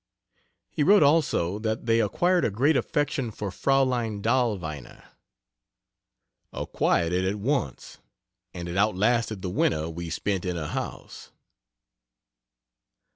He wrote, also, that they acquired a great affection for Fraulein Dahlweiner: "Acquired it at once and it outlasted the winter we spent in her house."